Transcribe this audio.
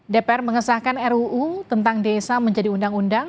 dpr mengesahkan ruu tentang desa menjadi undang undang